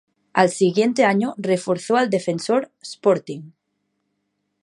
Al siguiente año reforzó al Defensor Sporting.